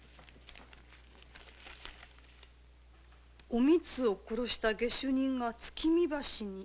「おみつを殺した下手人は月見橋に」。